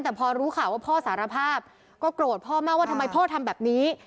แต่พอรู้ข่าวว่าพ่อสารภาพก็โกรธพ่อมากว่าทำไมพ่อทำแบบนี้